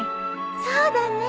そうだね。